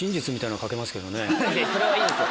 それはいいんですよ。